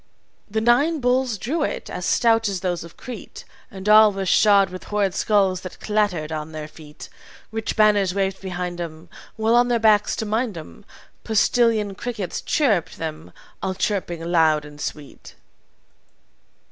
"The nine bulls drew it, as stout as those of Crete, And all were shod with horrid skulls that clattered on their feet. Rich banners waved behind 'em While on their backs, to mind 'em, Postilion crickets chirruped them, all chirping loud and sweet.